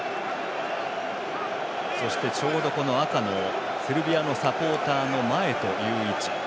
そして、ちょうど赤のセルビアのサポーターの前という位置。